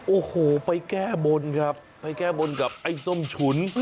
โอ้โหไปแก้บนครับไปแก้บนกับไอ้ส้มฉุน